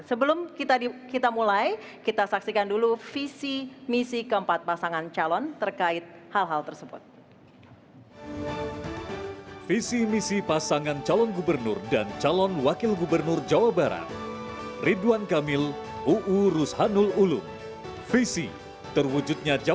sebelum kita mulai kita saksikan dulu visi misi keempat pasangan calon terkait hal hal tersebut